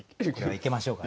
いきましょうか。